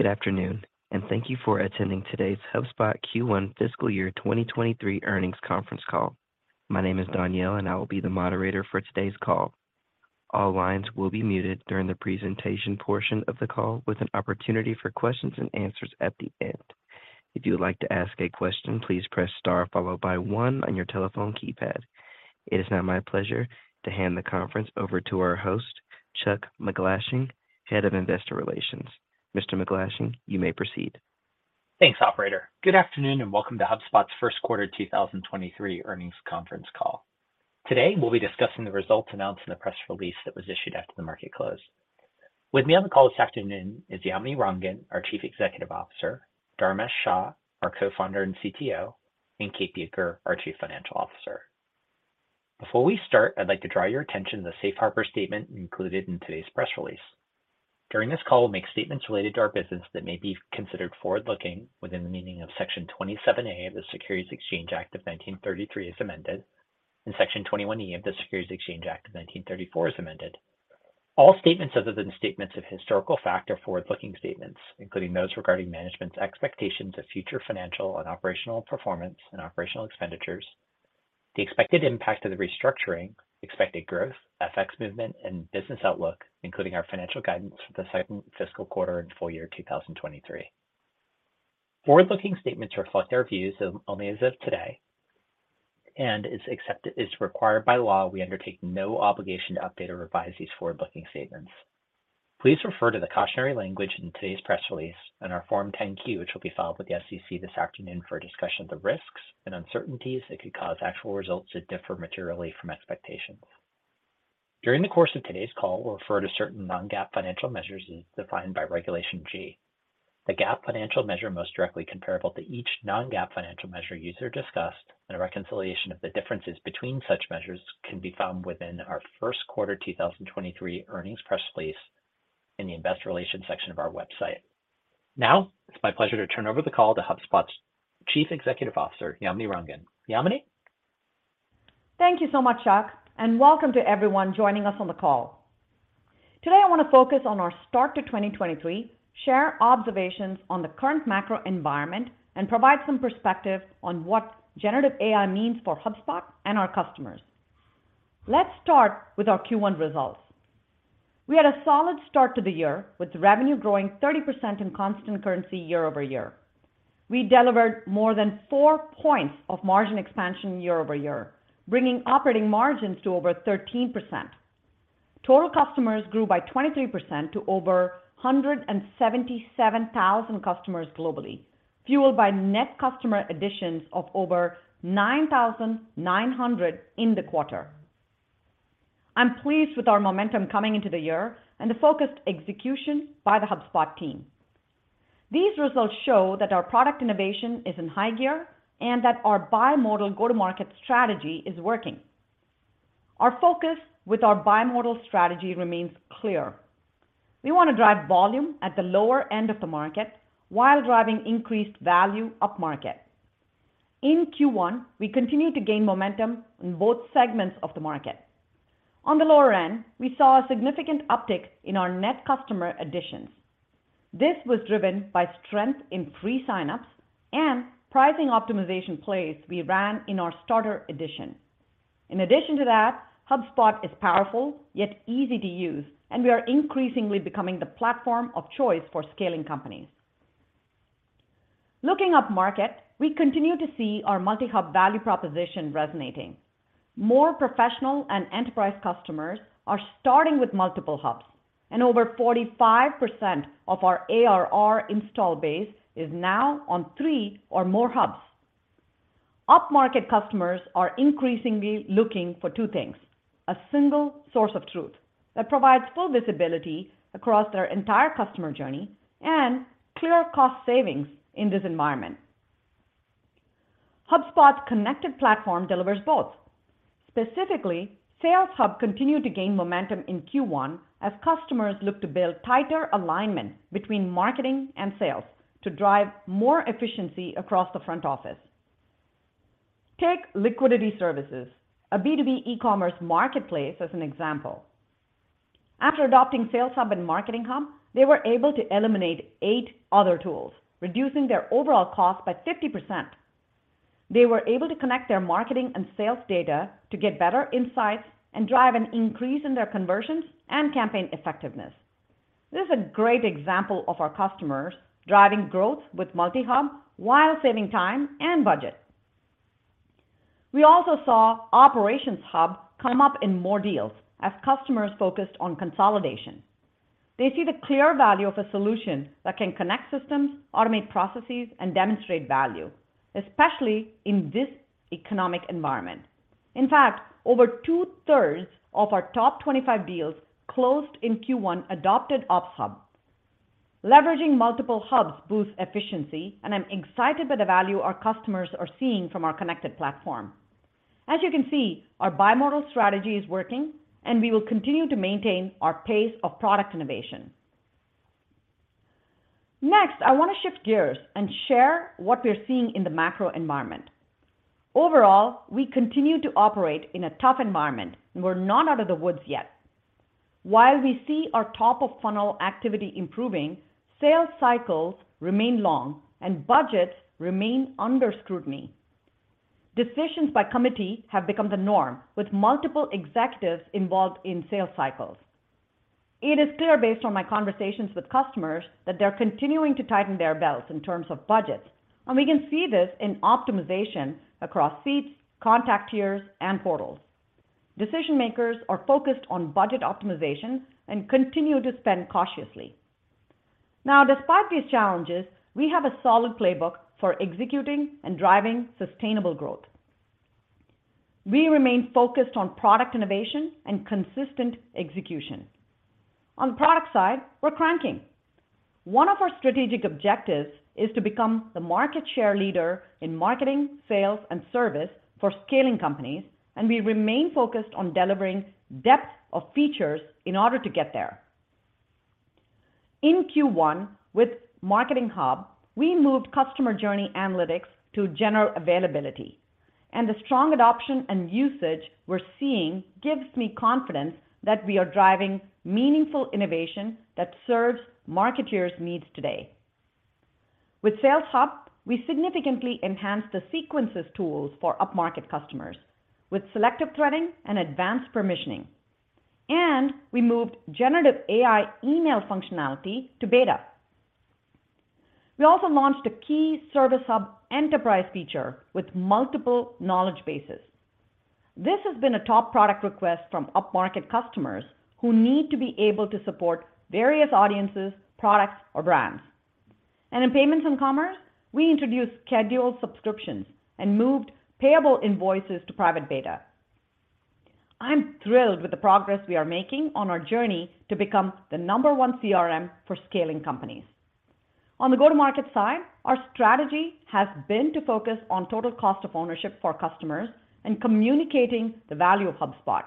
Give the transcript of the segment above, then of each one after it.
Good afternoon, thank you for attending today's HubSpot Q1 Fiscal Year 2023 Earnings Conference Call. My name is Danielle, I will be the moderator for today's call. All lines will be muted during the presentation portion of the call with an opportunity for questions and answers at the end. If you would like to ask a question, please press star followed by one on your telephone keypad. It is now my pleasure to hand the conference over to our host, Chuck MacGlashing, Head of Investor Relations. Mr. MacGlashing, you may proceed. Thanks, operator. Good afternoon, welcome to HubSpot's First Quarter 2023 Earnings Conference Call. Today, we'll be discussing the results announced in the press release that was issued after the market closed. With me on the call this afternoon is Yamini Rangan, our Chief Executive Officer, Dharmesh Shah, our Co-founder and CTO, and Kate Bueker, our Chief Financial Officer. Before we start, I'd like to draw your attention to the Safe Harbor statement included in today's press release. During this call, we'll make statements related to our business that may be considered forward-looking within the meaning of Section 27A of the Securities Exchange Act of 1933 as amended and Section 21E of the Securities Exchange Act of 1934 as amended. All statements other than statements of historical fact are forward-looking statements, including those regarding management's expectations of future financial and operational performance and operational expenditures, the expected impact of the restructuring, expected growth, FX movement, and business outlook, including our financial guidance for the second fiscal quarter and full year 2023. Forward-looking statements reflect our views as only as of today except as required by law, we undertake no obligation to update or revise these forward-looking statements. Please refer to the cautionary language in today's press release and our Form 10-Q, which will be filed with the SEC this afternoon for a discussion of the risks and uncertainties that could cause actual results to differ materially from expectations. During the course of today's call, we'll refer to certain non-GAAP financial measures as defined by Regulation G. The GAAP financial measure most directly comparable to each non-GAAP financial measure user discussed and a reconciliation of the differences between such measures can be found within our first quarter 2023 earnings press release in the investor relations section of our website. It's my pleasure to turn over the call to HubSpot's Chief Executive Officer, Yamini Rangan. Yamini? Thank you so much, Chuck, and welcome to everyone joining us on the call. Today, I want to focus on our start to 2023, share observations on the current macro environment, and provide some perspective on what generative AI means for HubSpot and our customers. Let's start with our Q1 results. We had a solid start to the year with revenue growing 30% in constant currency year-over-year. We delivered more than 4 points of margin expansion year-over-year, bringing operating margins to over 13%. Total customers grew by 23% to over 177,000 customers globally, fueled by net customer additions of over 9,900 in the quarter. I'm pleased with our momentum coming into the year and the focused execution by the HubSpot team. These results show that our product innovation is in high gear and that our bi-modal go-to-market strategy is working. Our focus with our bi-modal strategy remains clear. We want to drive volume at the lower end of the market while driving increased value up market. In Q1, we continued to gain momentum in both segments of the market. On the lower end, we saw a significant uptick in our net customer additions. This was driven by strength in free sign-ups and pricing optimization plays we ran in our starter edition. In addition to that, HubSpot is powerful, yet easy to use, and we are increasingly becoming the platform of choice for scaling companies. Looking up market, we continue to see our multi-hub value proposition resonating. More professional and enterprise customers are starting with multiple hubs. Over 45% of our ARR install base is now on three or more hubs. Up-market customers are increasingly looking for two things: a single source of truth that provides full visibility across their entire customer journey and clear cost savings in this environment. HubSpot's connected platform delivers both. Specifically, Sales Hub continued to gain momentum in Q1 as customers look to build tighter alignment between marketing and sales to drive more efficiency across the front office. Take Liquidity Services, a B2B e-commerce marketplace, as an example. After adopting Sales Hub and Marketing Hub, they were able to eliminate eight other tools, reducing their overall cost by 50%. They were able to connect their marketing and sales data to get better insights and drive an increase in their conversions and campaign effectiveness. This is a great example of our customers driving growth with multi-hub while saving time and budget. We also saw Operations Hub come up in more deals as customers focused on consolidation. They see the clear value of a solution that can connect systems, automate processes, and demonstrate value, especially in this economic environment. In fact, over 2/3 of our top 25 deals closed in Q1 adopted Ops Hub. Leveraging multiple hubs boosts efficiency, and I'm excited by the value our customers are seeing from our connected platform. As you can see, our bi-modal strategy is working, and we will continue to maintain our pace of product innovation. Next, I want to shift gears and share what we're seeing in the macro environment. Overall, we continue to operate in a tough environment, and we're not out of the woods yet. While we see our top-of-funnel activity improving, sales cycles remain long and budgets remain under scrutiny. Decisions by committee have become the norm with multiple executives involved in sales cycles. It is clear based on my conversations with customers that they're continuing to tighten their belts in terms of budgets, and we can see this in optimization across seats, contact tiers, and portals. Decision makers are focused on budget optimization and continue to spend cautiously. Despite these challenges, we have a solid playbook for executing and driving sustainable growth. We remain focused on product innovation and consistent execution. On the product side, we're cranking. One of our strategic objectives is to become the market share leader in marketing, sales, and service for scaling companies, and we remain focused on delivering depth of features in order to get there. In Q1, with Marketing Hub, we moved customer journey analytics to general availability. The strong adoption and usage we're seeing gives me confidence that we are driving meaningful innovation that serves marketeers needs today. With Sales Hub, we significantly enhanced the sequences tools for upmarket customers with selective threading and advanced permissioning. We moved generative AI email functionality to beta. We also launched a key Service Hub enterprise feature with multiple knowledge bases. This has been a top product request from upmarket customers who need to be able to support various audiences, products or brands. In payments and commerce, we introduced scheduled subscriptions and moved payable invoices to private beta. I'm thrilled with the progress we are making on our journey to become the number one CRM for scaling companies. On the go-to-market side, our strategy has been to focus on total cost of ownership for customers and communicating the value of HubSpot.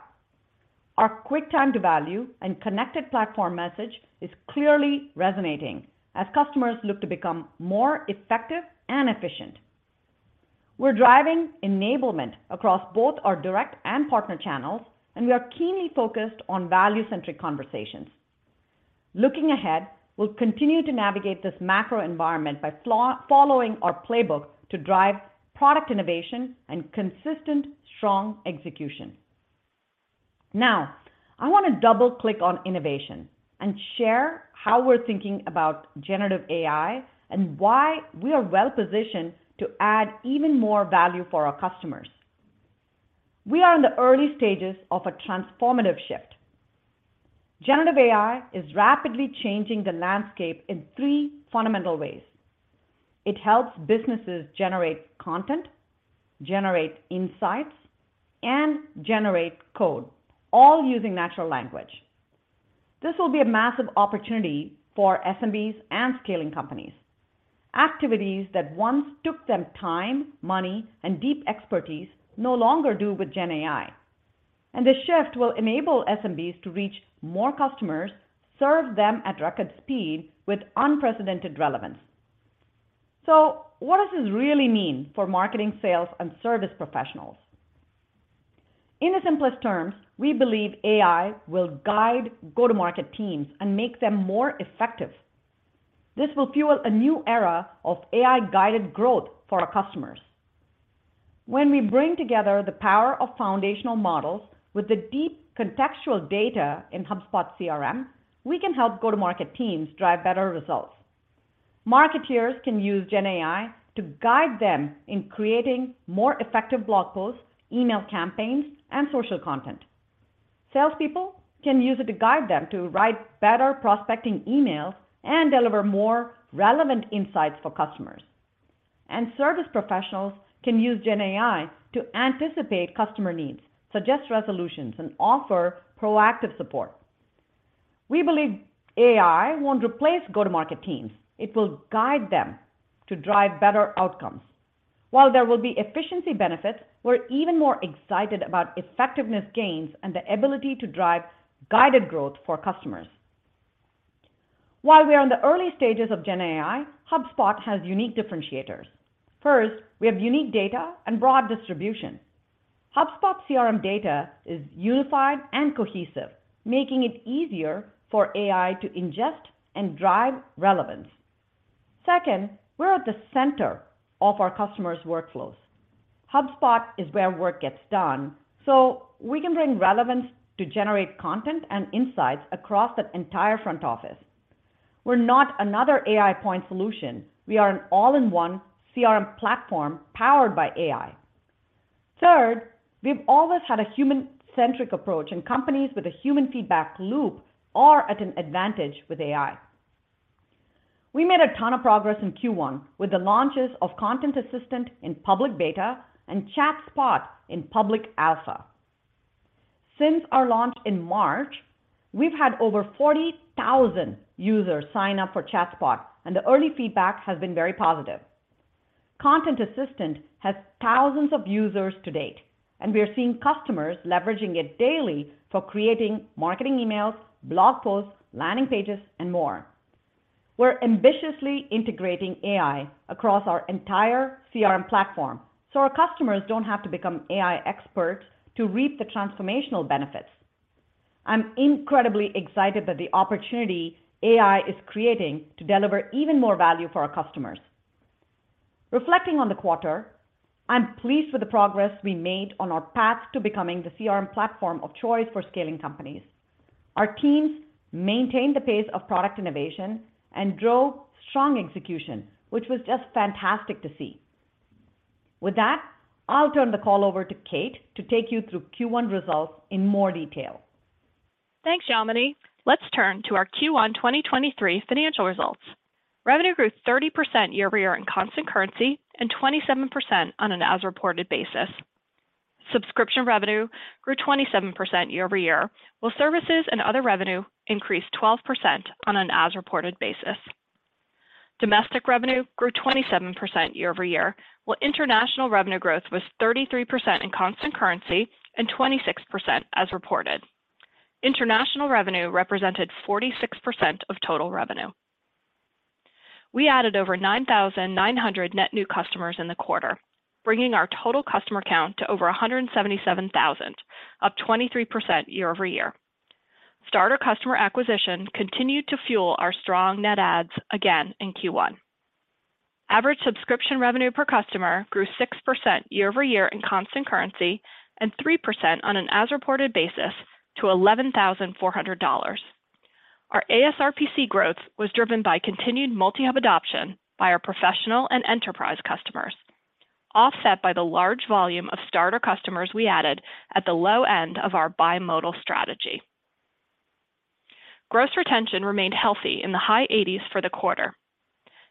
Our quick time to value and connected platform message is clearly resonating as customers look to become more effective and efficient. We're driving enablement across both our direct and partner channels, and we are keenly focused on value-centric conversations. Looking ahead, we'll continue to navigate this macro environment by following our playbook to drive product innovation and consistent, strong execution. Now, I wanna double click on innovation and share how we're thinking about generative AI and why we are well-positioned to add even more value for our customers. We are in the early stages of a transformative shift. Generative AI is rapidly changing the landscape in three fundamental ways. It helps businesses generate content, generate insights, and generate code, all using natural language. This will be a massive opportunity for SMBs and scaling companies. Activities that once took them time, money, and deep expertise no longer do with gen AI. The shift will enable SMBs to reach more customers, serve them at record speed with unprecedented relevance. What does this really mean for marketing, sales and service professionals? In the simplest terms, we believe AI will guide go-to-market teams and make them more effective. This will fuel a new era of AI-guided growth for our customers. When we bring together the power of foundational models with the deep contextual data in HubSpot CRM, we can help go-to-market teams drive better results. Marketeers can use gen AI to guide them in creating more effective blog posts, email campaigns, and social content. Salespeople can use it to guide them to write better prospecting emails and deliver more relevant insights for customers. Service professionals can use gen AI to anticipate customer needs, suggest resolutions, and offer proactive support. We believe AI won't replace go-to-market teams. It will guide them to drive better outcomes. While there will be efficiency benefits, we're even more excited about effectiveness gains and the ability to drive guided growth for customers. While we are in the early stages of gen AI, HubSpot has unique differentiators. First, we have unique data and broad distribution. HubSpot CRM data is unified and cohesive, making it easier for AI to ingest and drive relevance. Second, we're at the center of our customers' workflows. HubSpot is where work gets done, so we can bring relevance to generate content and insights across that entire front office. We're not another AI point solution. We are an all-in-one CRM platform powered by AI. Third, we've always had a human-centric approach, and companies with a human feedback loop are at an advantage with AI. We made a ton of progress in Q1 with the launches of Content Assistant in public beta and ChatSpot in public alpha. Since our launch in March, we've had over 40,000 users sign up for ChatSpot, and the early feedback has been very positive. Content Assistant has thousands of users to date, and we are seeing customers leveraging it daily for creating marketing emails, blog posts, landing pages, and more. We're ambitiously integrating AI across our entire CRM platform, so our customers don't have to become AI experts to reap the transformational benefits. I'm incredibly excited that the opportunity AI is creating to deliver even more value for our customers. Reflecting on the quarter, I'm pleased with the progress we made on our path to becoming the CRM platform of choice for scaling companies. Our teams maintained the pace of product innovation and drove strong execution, which was just fantastic to see. With that, I'll turn the call over to Kate to take you through Q1 results in more detail. Thanks, Yamini. Let's turn to our Q1, 2023 financial results. Revenue grew 30% year-over-year in constant currency and 27% on an as-reported basis. Subscription revenue grew 27% year-over-year, while services and other revenue increased 12% on an as-reported basis. Domestic revenue grew 27% year-over-year, while international revenue growth was 33% in constant currency and 26% as reported. International revenue represented 46% of total revenue. We added over 9,900 net new customers in the quarter, bringing our total customer count to over 177,000, up 23% year-over-year. Starter customer acquisition continued to fuel our strong net adds again in Q1. Average subscription revenue per customer grew 6% year-over-year in constant currency and 3% on an as-reported basis to $11,400. Our ASRPC growth was driven by continued multi-hub adoption by our professional and enterprise customers, offset by the large volume of starter customers we added at the low end of our bimodal strategy. Gross retention remained healthy in the high 80s for the quarter.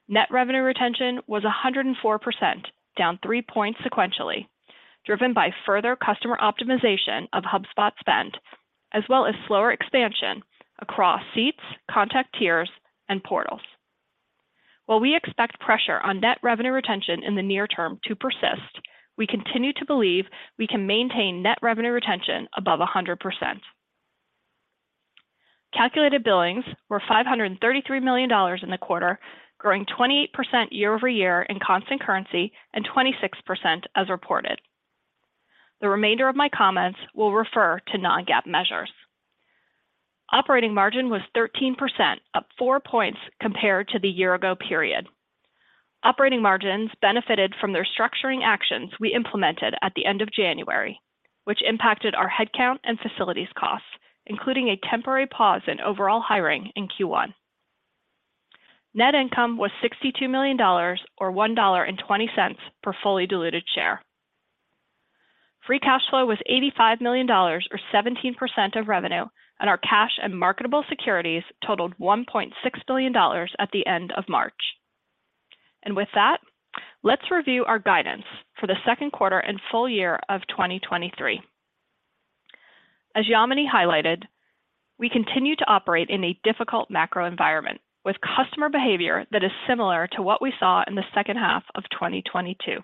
Net revenue retention was 104%, down 3 points sequentially, driven by further customer optimization of HubSpot spend, as well as slower expansion across seats, contact tiers, and portals. While we expect pressure on net revenue retention in the near term to persist, we continue to believe we can maintain net revenue retention above 100%. Calculated billings were $533 million in the quarter, growing 28% year-over-year in constant currency and 26% as reported. The remainder of my comments will refer to non-GAAP measures. Operating margin was 13%, up 4 points compared to the year ago period. Operating margins benefited from their structuring actions we implemented at the end of January, which impacted our headcount and facilities costs, including a temporary pause in overall hiring in Q1. Net income was $62 million or $1.20 per fully diluted share. Free cash flow was $85 million or 17% of revenue, our cash and marketable securities totaled $1.6 billion at the end of March. Let's review our guidance for the second quarter and full year of 2023. As Yamini highlighted, we continue to operate in a difficult macro environment with customer behavior that is similar to what we saw in the second half of 2022.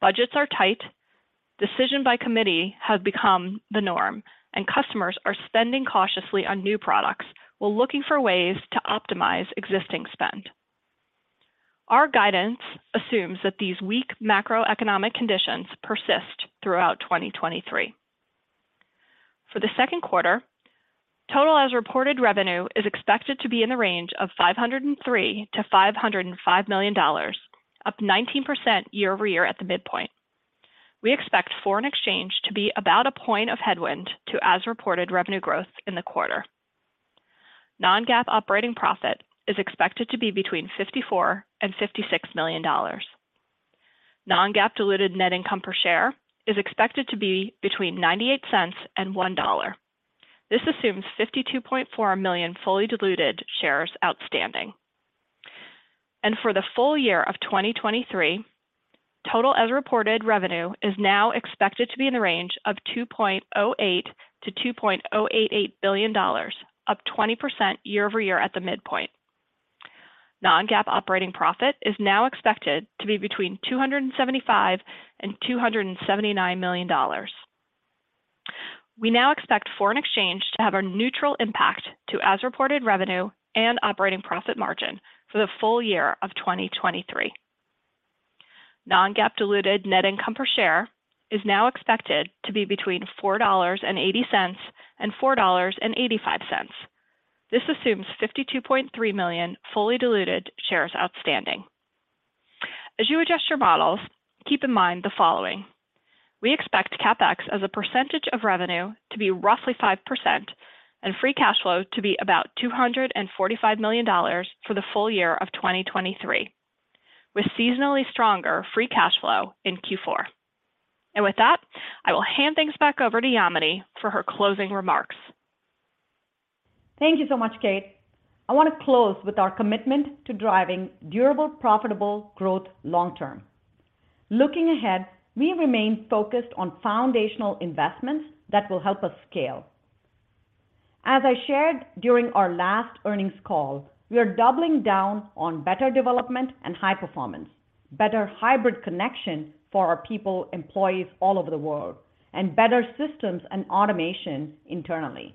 Budgets are tight, decision by committee have become the norm, and customers are spending cautiously on new products while looking for ways to optimize existing spend. Our guidance assumes that these weak macroeconomic conditions persist throughout 2023. For the second quarter, total as-reported revenue is expected to be in the range of $503 million to $505 million, up 19% year-over-year at the midpoint. We expect foreign exchange to be about 1 point of headwind to as-reported revenue growth in the quarter. Non-GAAP operating profit is expected to be between $54 million and $56 million. Non-GAAP diluted net income per share is expected to be between $0.98 and $1.00. This assumes 52.4 million fully diluted shares outstanding. For the full year of 2023, total as reported revenue is now expected to be in the range of $2.08 billion to $2.088 billion, up 20% year-over-year at the midpoint. Non-GAAP operating profit is now expected to be between $275 million and $279 million. We now expect foreign exchange to have a neutral impact to as-reported revenue and operating profit margin for the full year of 2023. Non-GAAP diluted net income per share is now expected to be between $4.80 and $4.85. This assumes 52.3 million fully diluted shares outstanding. As you adjust your models, keep in mind the following. We expect CapEx as a percentage of revenue to be roughly 5% and free cash flow to be about $245 million for the full year of 2023, with seasonally stronger free cash flow in Q4. With that, I will hand things back over to Yamini for her closing remarks. Thank you so much, Kate. I want to close with our commitment to driving durable, profitable growth long term. Looking ahead, we remain focused on foundational investments that will help us scale. As I shared during our last earnings call, we are doubling down on better development and high performance. Better hybrid connection for our people, employees all over the world, and better systems and automation internally.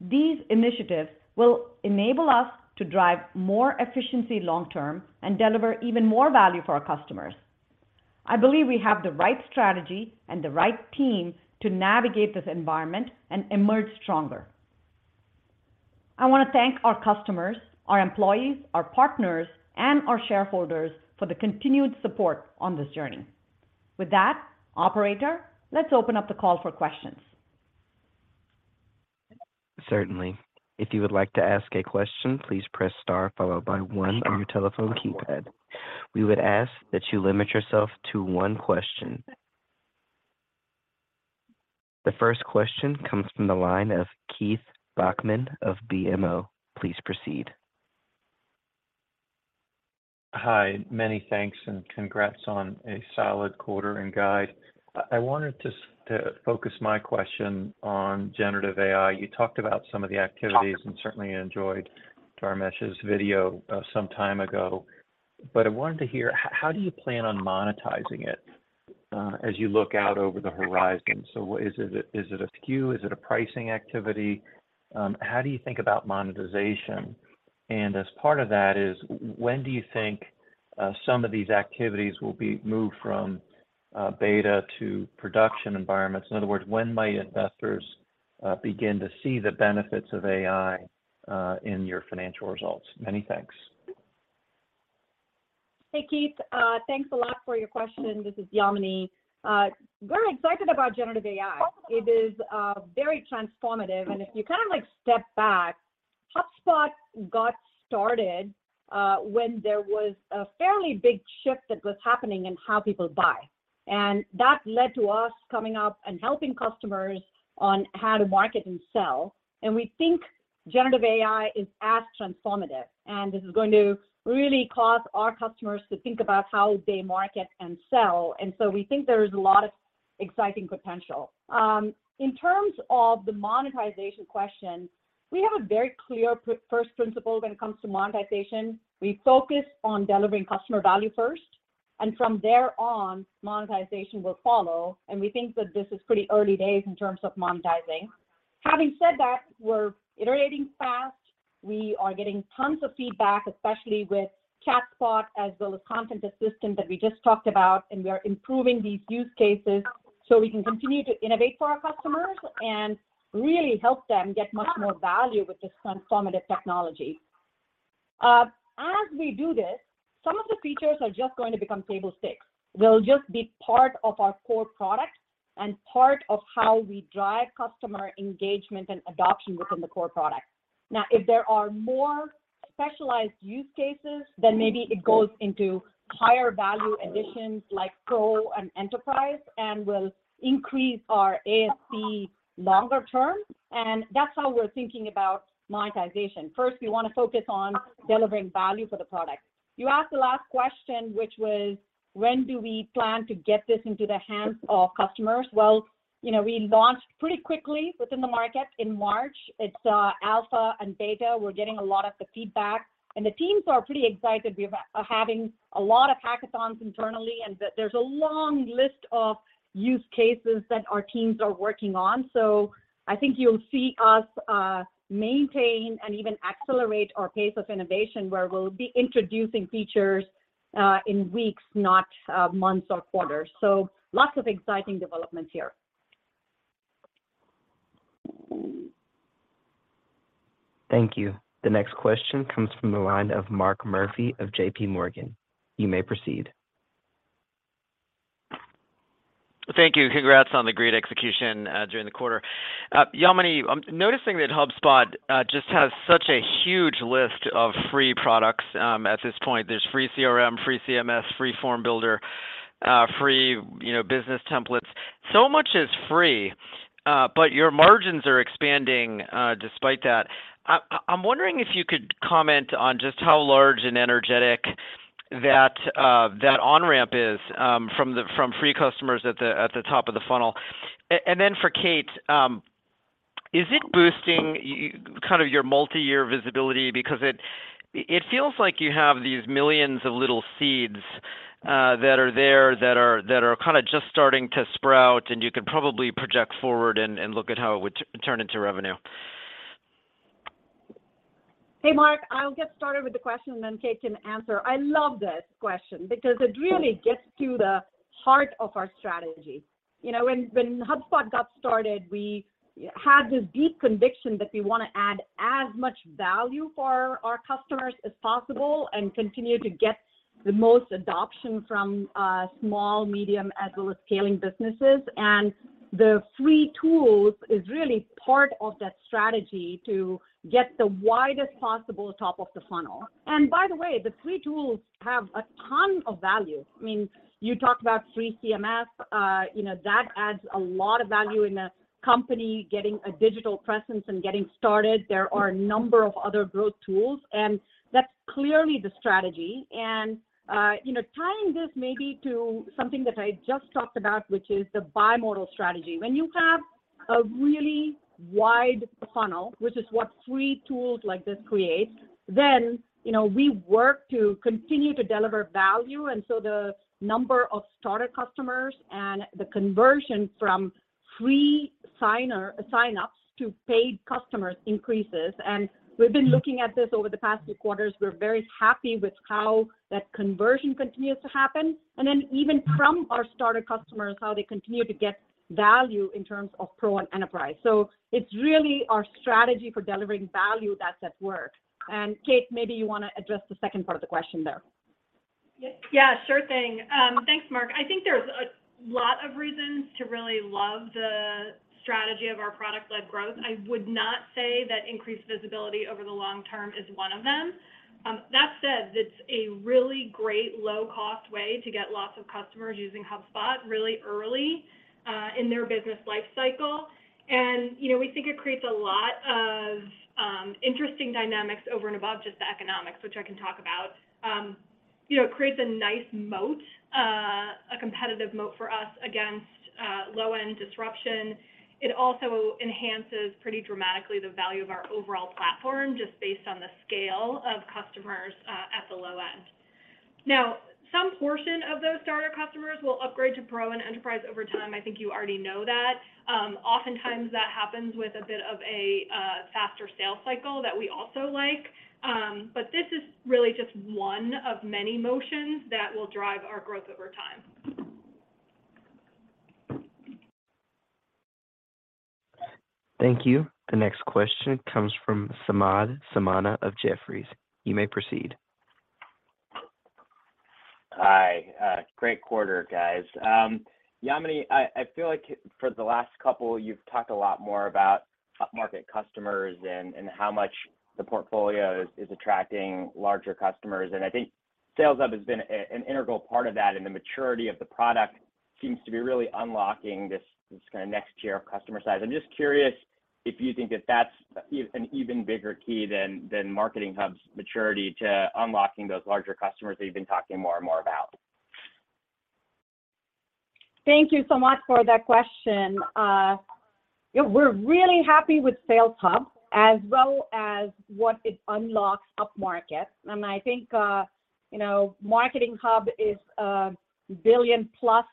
These initiatives will enable us to drive more efficiency long term and deliver even more value for our customers. I believe we have the right strategy and the right team to navigate this environment and emerge stronger. I want to thank our customers, our employees, our partners, and our shareholders for the continued support on this journey. With that, operator, let's open up the call for questions. Certainly. If you would like to ask a question, please press star followed by one on your telephone keypad. We would ask that you limit yourself to one question. The first question comes from the line of Keith Bachman of BMO. Please proceed. Hi, many thanks and congrats on a solid quarter and guide. I wanted to focus my question on generative AI. You talked about some of the activities and certainly enjoyed Dharmesh's video some time ago. I wanted to hear how do you plan on monetizing it as you look out over the horizon? Is it a SKU? Is it a pricing activity? How do you think about monetization? As part of that is when do you think some of these activities will be moved from beta to production environments? In other words, when might investors begin to see the benefits of AI in your financial results? Many thanks. Hey, Keith. Thanks a lot for your question. This is Yamini. Very excited about generative AI. It is very transformative. If you kind of like step back, HubSpot got started when there was a fairly big shift that was happening in how people buy, and that led to us coming up and helping customers on how to market and sell. We think generative AI is as transformative, and this is going to really cause our customers to think about how they market and sell. We think there is a lot of exciting potential. In terms of the monetization question, we have a very clear first principle when it comes to monetization. We focus on delivering customer value first, and from there on, monetization will follow. We think that this is pretty early days in terms of monetizing. Having said that, we're iterating fast. We are getting tons of feedback, especially with ChatSpot as well as content assistant that we just talked about. We are improving these use cases so we can continue to innovate for our customers and really help them get much more value with this transformative technology. As we do this, some of the features are just going to become table stakes. They'll just be part of our core product and part of how we drive customer engagement and adoption within the core product. If there are more specialized use cases, then maybe it goes into higher value additions like Pro and Enterprise and will increase our ASP longer term. That's how we're thinking about monetization. First, we want to focus on delivering value for the product. You asked the last question, which was, when do we plan to get this into the hands of customers? Well, you know, we launched pretty quickly within the market in March. It's alpha and beta. We're getting a lot of the feedback, and the teams are pretty excited. We're having a lot of hackathons internally, and there's a long list of use cases that our teams are working on. I think you'll see us maintain and even accelerate our pace of innovation, where we'll be introducing features in weeks, not months or quarters. Lots of exciting developments here. Thank you. The next question comes from the line of Mark Murphy of JPMorgan. You may proceed. Thank you. Congrats on the great execution during the quarter. Yamini, I'm noticing that HubSpot just has such a huge list of free products at this point. There's free CRM, free CMS, free form builder, free, you know, business templates. So much is free, your margins are expanding despite that. I'm wondering if you could comment on just how large and energetic that on-ramp is from the, from free customers at the, at the top of the funnel. Then for Kate, is it boosting kind of your multi-year visibility? It feels like you have these millions of little seeds that are there that are kind of just starting to sprout, and you can probably project forward and look at how it would turn into revenue. Hey, Mark, I'll get started with the question, then Kate can answer. I love this question because it really gets to the heart of our strategy. You know, when HubSpot got started, we had this deep conviction that we want to add as much value for our customers as possible and continue to get the most adoption from small, medium, as well as scaling businesses. The free tools is really part of that strategy to get the widest possible top of the funnel. By the way, the free tools have a ton of value. I mean, you talked about free CMS. You know, that adds a lot of value in a company getting a digital presence and getting started. There are a number of other growth tools, and that's clearly the strategy. You know, tying this maybe to something that I just talked about, which is the bimodal strategy. When you have a really wide funnel, which is what free tools like this create, then, you know, we work to continue to deliver value. The number of starter customers and the conversion from free signups to paid customers increases. We've been looking at this over the past few quarters. We're very happy with how that conversion continues to happen. Then even from our starter customers, how they continue to get value in terms of Pro and Enterprise. It's really our strategy for delivering value that's at work. Kate, maybe you wanna address the second part of the question there. Yeah. Sure thing. Thanks, Mark. I think there's a lot of reasons to really love the strategy of our product-led growth. I would not say that increased visibility over the long term is one of them. That said, it's a really great low-cost way to get lots of customers using HubSpot really early in their business life cycle. You know, we think it creates a lot of interesting dynamics over and above just the economics, which I can talk about. You know, it creates a nice moat, a competitive moat for us against low-end disruption. It also enhances pretty dramatically the value of our overall platform just based on the scale of customers at the low end. Some portion of those starter customers will upgrade to Pro and Enterprise over time. I think you already know that. Oftentimes that happens with a bit of a faster sales cycle that we also like. This is really just one of many motions that will drive our growth over time. Thank you. The next question comes from Samad Samana of Jefferies. You may proceed. Hi. Great quarter, guys. Yamini, I feel like for the last couple, you've talked a lot more about up-market customers and how much the portfolio is attracting larger customers. I think Sales Hub has been an integral part of that, and the maturity of the product seems to be really unlocking this kinda next tier of customer size. I'm just curious if you think that that's an even bigger key than Marketing Hub's maturity to unlocking those larger customers that you've been talking more and more about? Thank you so much for that question. Yeah, we're really happy with Sales Hub, as well as what it unlocks up-market. I think, you know, Marketing Hub is a $1 billion plus,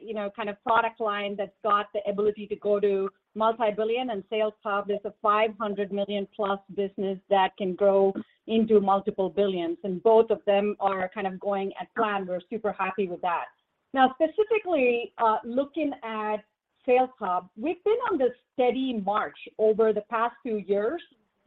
you know, kind of product line that's got the ability to go to multi-billion, and Sales Hub is a $500 million-plus business that can grow into multiple billions, and both of them are kind of going as planned. We're super happy with that. Now, specifically, looking at Sales Hub, we've been on this steady march over the past few years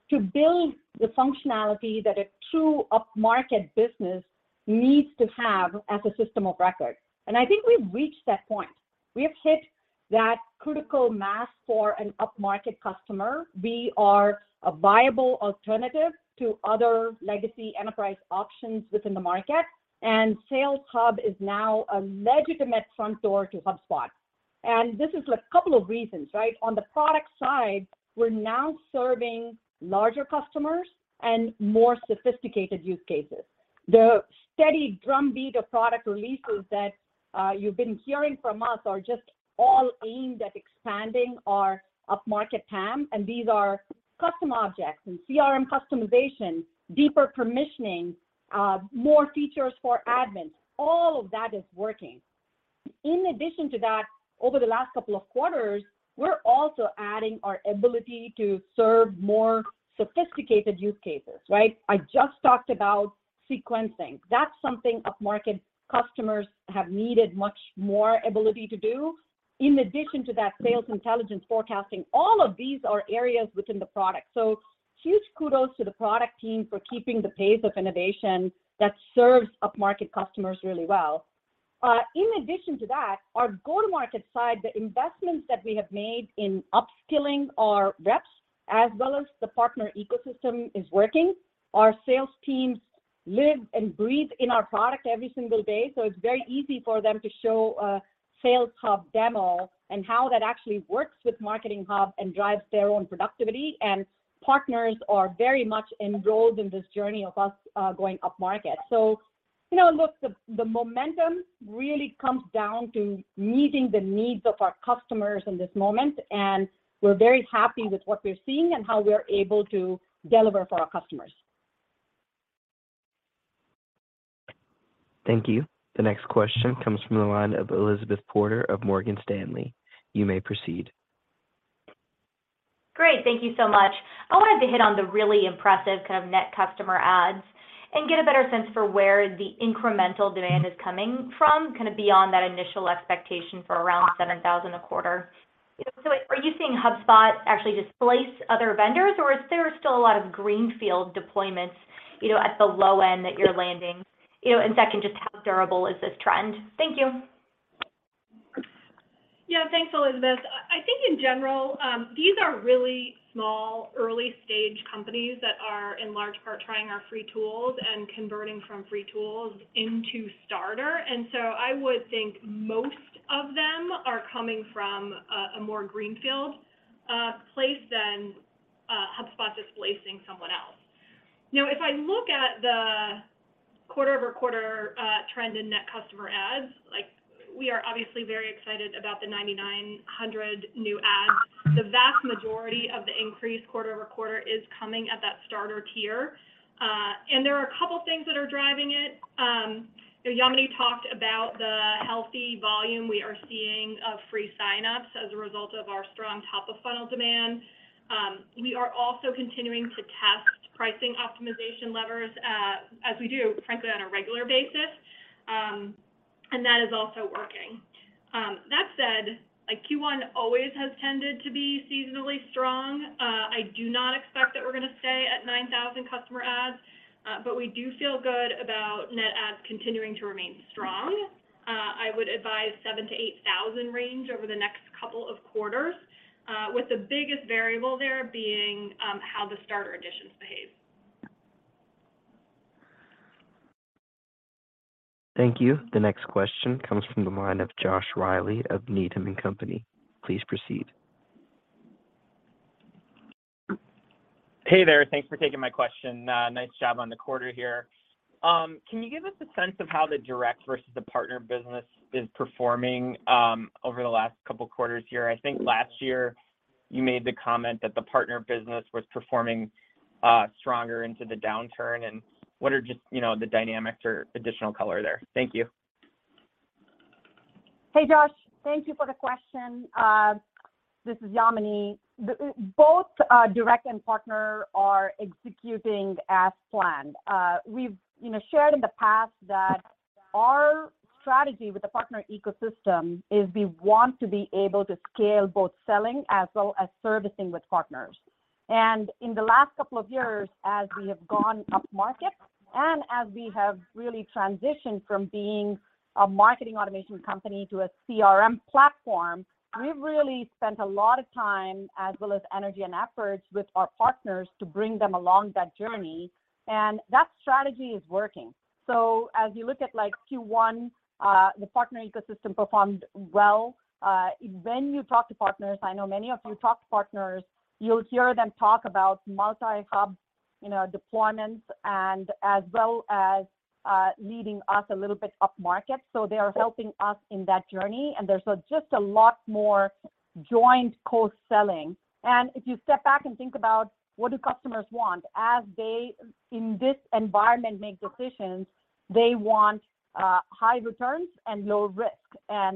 to build the functionality that a true up-market business needs to have as a system of record, and I think we've reached that point. We have hit that critical mass for an up-market customer. We are a viable alternative to other legacy enterprise options within the market, and Sales Hub is now a legitimate front door to HubSpot. This is a couple of reasons, right. On the product side, we're now serving larger customers and more sophisticated use cases. The steady drumbeat of product releases that, you've been hearing from us are just all aimed at expanding our up-market TAM, and these are custom objects and CRM customization, deeper permissioning, more features for admins. All of that is working. In addition to that, over the last couple of quarters, we're also adding our ability to serve more sophisticated use cases, right. I just talked about sequencing. That's something up-market customers have needed much more ability to do. In addition to that, sales intelligence forecasting, all of these are areas within the product. Huge kudos to the product team for keeping the pace of innovation that serves up-market customers really well. In addition to that, our go-to-market side, the investments that we have made in upskilling our reps as well as the partner ecosystem is working. Our sales teams live and breathe in our product every single day, so it's very easy for them to show a Sales Hub demo and how that actually works with Marketing Hub and drives their own productivity. Partners are very much enrolled in this journey of us going up market. You know, look, the momentum really comes down to meeting the needs of our customers in this moment, and we're very happy with what we're seeing and how we're able to deliver for our customers. Thank you. The next question comes from the line of Elizabeth Porter of Morgan Stanley. You may proceed. Great. Thank you so much. I wanted to hit on the really impressive kind of net customer adds and get a better sense for where the incremental demand is coming from, kind of beyond that initial expectation for around 7,000 a quarter. You know, are you seeing HubSpot actually displace other vendors, or is there still a lot of greenfield deployments, you know, at the low end that you're landing? You know, second, just how durable is this trend? Thank you. Yeah. Thanks, Elizabeth. I think in general, these are really small early-stage companies that are in large part trying our free tools and converting from free tools into Starter. I would think most of them are coming from a more greenfield place than HubSpot displacing someone else. You know, if I look at the quarter-over-quarter trend in net customer adds, like, we are obviously very excited about the 9,900 new adds. The vast majority of the increased quarter-over-quarter is coming at that Starter tier. There are a couple things that are driving it. You know, Yamini talked about the healthy volume we are seeing of free signups as a result of our strong top of funnel demand. We are also continuing to test pricing optimization levers as we do frankly, on a regular basis. That is also working. That said, like Q1 always has tended to be seasonally strong. I do not expect that we're gonna stay at 9,000 customer adds, but we do feel good about net adds continuing to remain strong. I would advise 7,000 to 8,000 range over the next couple of quarters, with the biggest variable there being, how the starter additions behave. Thank you. The next question comes from the line of Joshua Reilly of Needham & Company. Please proceed. Hey there. Thanks for taking my question. Nice job on the quarter here. Can you give us a sense of how the direct versus the partner business is performing over the last couple quarters here? I think last year you made the comment that the partner business was performing stronger into the downturn. What are just, you know, the dynamics or additional color there? Thank you. Hey, Josh. Thank you for the question. This is Yamini. The both direct and partner are executing as planned. We've, you know, shared in the past that our strategy with the partner ecosystem is we want to be able to scale both selling as well as servicing with partners. In the last couple of years, as we have gone up market and as we have really transitioned from being a marketing automation company to a CRM platform, we've really spent a lot of time as well as energy and efforts with our partners to bring them along that journey. That strategy is working. As you look at, like, Q1, the partner ecosystem performed well. When you talk to partners, I know many of you talk to partners, you'll hear them talk about multi-hub, you know, deployments and as well as, leading us a little bit up market. They are helping us in that journey, and there's just a lot more joint co-selling. If you step back and think about what do customers want as they, in this environment, make decisions, they want high returns and low risk.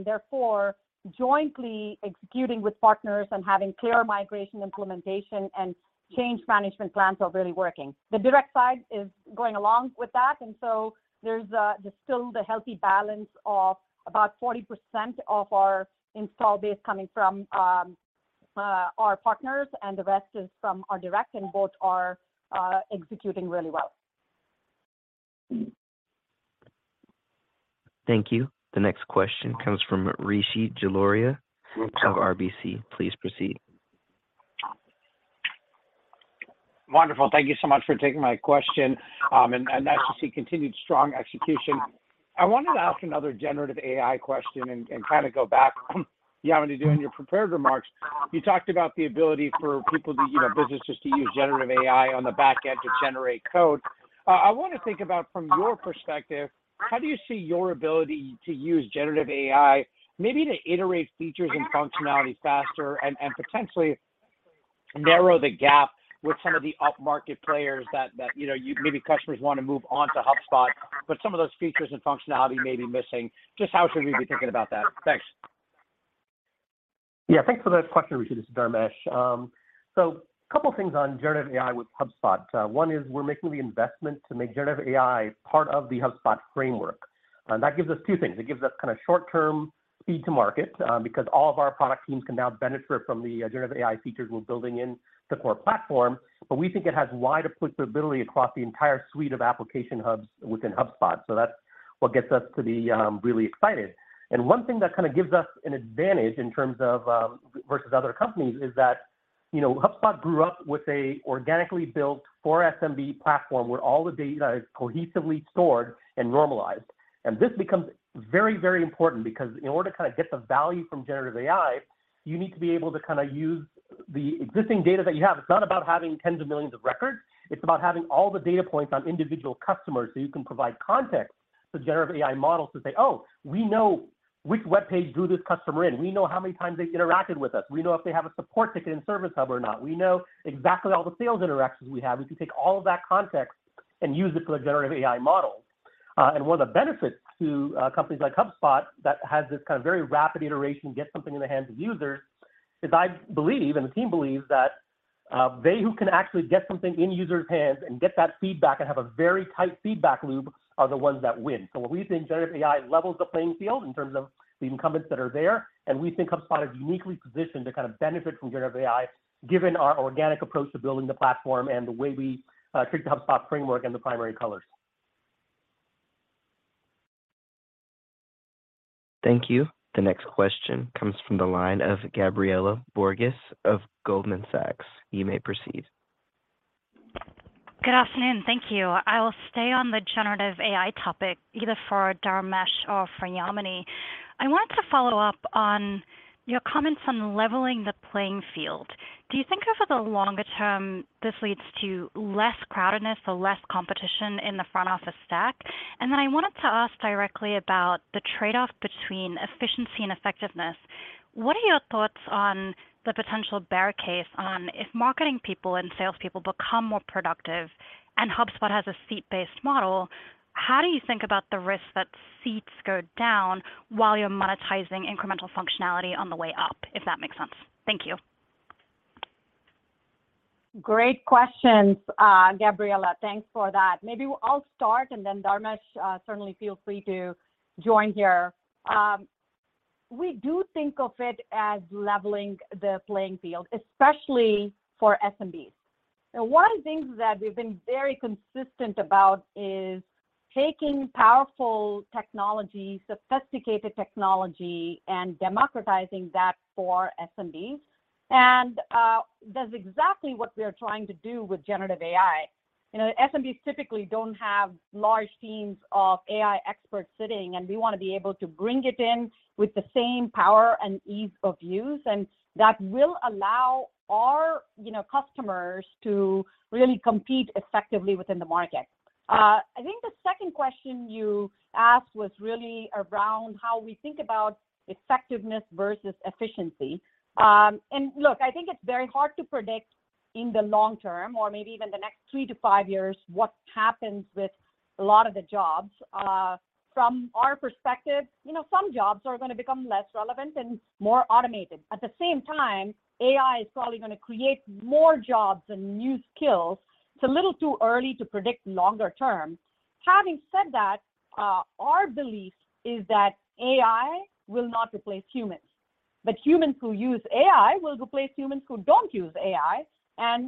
Therefore, jointly executing with partners and having clear migration implementation and change management plans are really working. The direct side is going along with that, and so there's still the healthy balance of about 40% of our install base coming from our partners, and the rest is from our direct, and both are executing really well. Thank you. The next question comes from Rishi Jaluria of RBC. Please proceed. Wonderful. Thank you so much for taking my question. Nice to see continued strong execution. I wanted to ask another generative AI question and kinda go back. Yamini, during your prepared remarks, you talked about the ability for people to, you know, businesses to use generative AI on the back end to generate code. I wanna think about from your perspective, how do you see your ability to use generative AI maybe to iterate features and functionality faster and potentially narrow the gap with some of the up-market players that, you know, you maybe customers wanna move onto HubSpot, but some of those features and functionality may be missing. Just how should we be thinking about that? Thanks. Yeah. Thanks for the question, Rishi. This is Dharmesh. Couple things on generative AI with HubSpot. One is we're making the investment to make generative AI part of the HubSpot framework. That gives us two things. It gives us kinda short term speed to market, because all of our product teams can now benefit from the generative AI features we're building in the core platform, but we think it has wider applicability across the entire suite of application hubs within HubSpot. That's what gets us to be really excited. One thing that kinda gives us an advantage in terms of versus other companies is that, you know, HubSpot grew up with a organically built for SMB platform where all the data is cohesively stored and normalized. This becomes very, very important because in order to kinda get the value from generative AI, you need to be able to kinda use the existing data that you have. It's not about having tens of millions of records. It's about having all the data points on individual customers, so you can provide context to generative AI models to say, "Oh, we know which webpage drew this customer in. We know how many times they interacted with us. We know if they have a support ticket in Service Hub or not. We know exactly all the sales interactions we have." We can take all of that context and use it for the generative AI model. One of the benefits to companies like HubSpot that has this kind of very rapid iteration, get something in the hands of users is I believe, and the team believes, that they who can actually get something in users' hands and get that feedback and have a very tight feedback loop are the ones that win. We think generative AI levels the playing field in terms of the incumbents that are there, and we think HubSpot is uniquely positioned to kind of benefit from generative AI given our organic approach to building the platform and the way we treat the HubSpot framework and the Primary Colors. Thank you. The next question comes from the line of Gabriela Borges of Goldman Sachs. You may proceed. Good afternoon. Thank you. I will stay on the generative AI topic either for Dharmesh or for Yamini. I want to follow up on your comments on leveling the playing field. Do you think over the longer term this leads to less crowdedness or less competition in the front office stack? I wanted to ask directly about the trade-off between efficiency and effectiveness. What are your thoughts on the potential bear case on if marketing people and salespeople become more productive and HubSpot has a seat-based model, how do you think about the risk that seats go down while you're monetizing incremental functionality on the way up, if that makes sense? Thank you. Great questions, Gabriela. Thanks for that. Maybe I'll start, and then Dharmesh, certainly feel free to join here. We do think of it as leveling the playing field, especially for SMBs. One of the things that we've been very consistent about is taking powerful technology, sophisticated technology, and democratizing that for SMBs. That's exactly what we are trying to do with generative AI. You know, SMBs typically don't have large teams of AI experts sitting, and we wanna be able to bring it in with the same power and ease of use, and that will allow our, you know, customers to really compete effectively within the market. I think the second question you asked was really around how we think about effectiveness versus efficiency. Look, I think it's very hard to predict in the long term or maybe even the next three to five years what happens with a lot of the jobs. From our perspective, you know, some jobs are gonna become less relevant and more automated. At the same time, AI is probably gonna create more jobs and new skills. It's a little too early to predict longer term. Having said that, our belief is that AI will not replace humans, but humans who use AI will replace humans who don't use AI,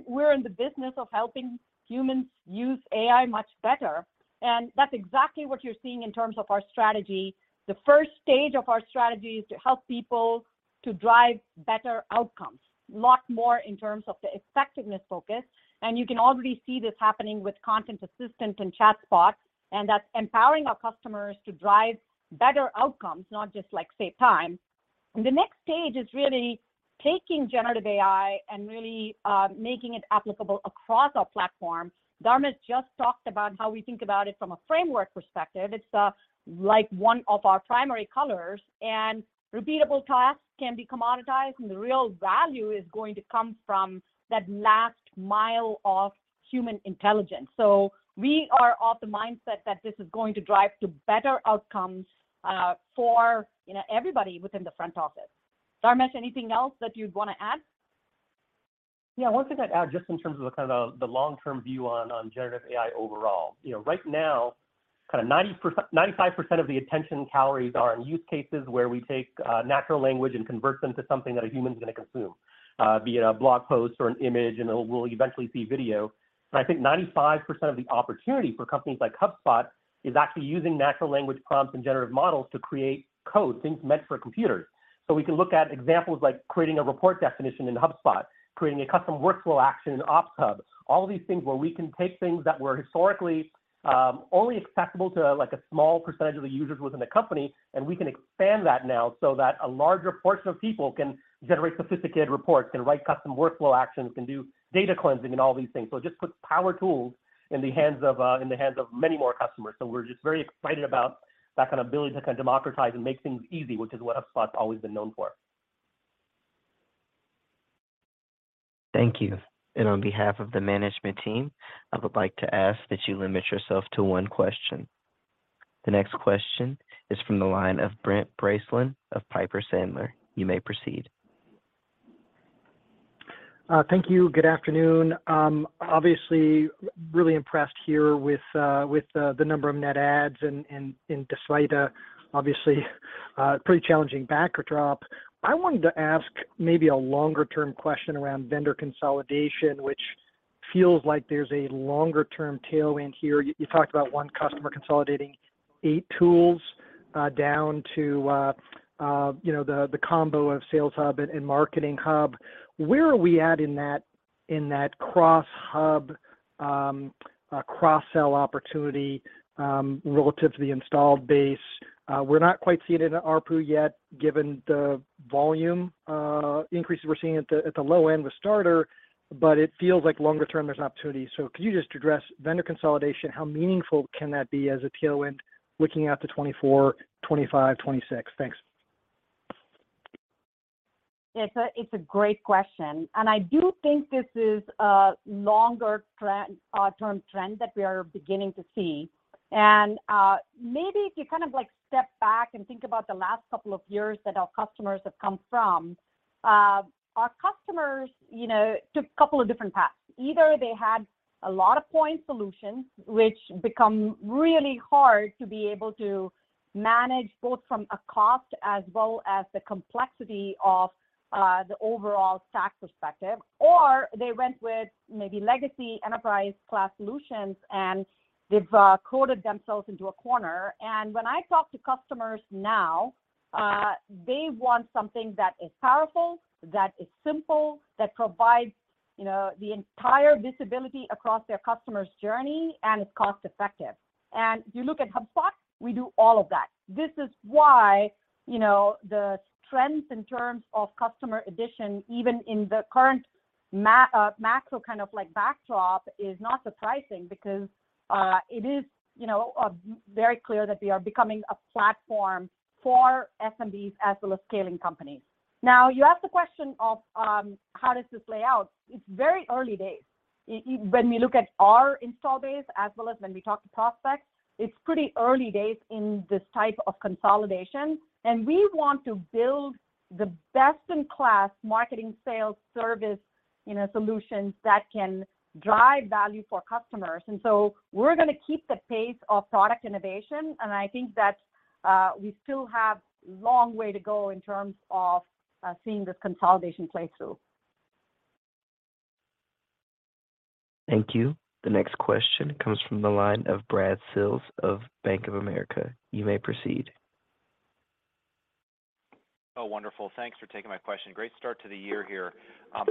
we're in the business of helping humans use AI much better. That's exactly what you're seeing in terms of our strategy. The first stage of our strategy is to help people to drive better outcomes. Lot more in terms of the effectiveness focus, and you can already see this happening with content assistant and ChatSpot, and that's empowering our customers to drive better outcomes, not just, like, save time. The next stage is really taking generative AI and really making it applicable across our platform. Dharmesh just talked about how we think about it from a framework perspective. It's like one of our Primary Colors, and repeatable tasks can be commoditized, and the real value is going to come from that last mile of human intelligence. We are of the mindset that this is going to drive to better outcomes for, you know, everybody within the front office. Dharmesh, anything else that you'd wanna add? Yeah. One thing I'd add just in terms of the kind of, the long-term view on generative AI overall. You know, right now, kinda 95% of the attention calories are in use cases where we take natural language and convert them to something that a human's gonna consume, be it a blog post or an image, and we'll eventually see video. I think 95% of the opportunity for companies like HubSpot is actually using natural language prompts and generative models to create code, things meant for computers. We can look at examples like creating a report definition in HubSpot, creating a custom workflow action in Ops Hub, all of these things where we can take things that were historically only accessible to, like, a small percent of the users within the company, and we can expand that now so that a larger portion of people can generate sophisticated reports, can write custom workflow actions, can do data cleansing and all these things. Just put power tools in the hands of many more customers. We're just very excited about that kind of ability to kind of democratize and make things easy, which is what HubSpot's always been known for. Thank you. On behalf of the management team, I would like to ask that you limit yourself to one question. The next question is from the line of Brent Bracelin of Piper Sandler. You may proceed. Thank you. Good afternoon. Obviously really impressed here with the number of net adds and despite a obviously pretty challenging backdrop. I wanted to ask maybe a longer-term question around vendor consolidation, which feels like there's a longer-term tailwind here. You talked about one customer consolidating eight tools down to, you know, the combo of Sales Hub and Marketing Hub. Where are we at in that cross-hub cross-sell opportunity relative to the installed base? We're not quite seeing it in ARPU yet given the volume increases we're seeing at the low end with Starter, but it feels like longer term there's an opportunity. Could you just address vendor consolidation, how meaningful can that be as a tailwind looking out to 2024, 2025, 2026? Thanks. It's a great question, and I do think this is a longer term trend that we are beginning to see. Maybe if you kind of like step back and think about the last couple of years that our customers have come from, our customers, you know, took couple of different paths. Either they had a lot of point solutions, which become really hard to be able to manage both from a cost as well as the complexity of the overall stack perspective, or they went with maybe legacy enterprise class solutions, and they've cornered themselves into a corner. When I talk to customers now, they want something that is powerful, that is simple, that provides, you know, the entire visibility across their customer's journey, and it's cost effective. You look at HubSpot, we do all of that. This is why, you know, the trends in terms of customer addition, even in the current macro kind of like backdrop is not surprising because, it is, you know, very clear that we are becoming a platform for SMBs as well as scaling companies. Now, you asked the question of, how does this play out? It's very early days. When we look at our install base as well as when we talk to prospects, it's pretty early days in this type of consolidation, and we want to build the best in class marketing, sales, service, you know, solutions that can drive value for customers. We're gonna keep the pace of product innovation, and I think that, we still have long way to go in terms of, seeing this consolidation play through. Thank you. The next question comes from the line of Brad Sills of Bank of America. You may proceed. Wonderful. Thanks for taking my question. Great start to the year here.